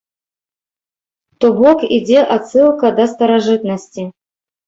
То бок ідзе адсылка да старажытнасці.